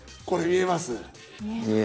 これ見えます？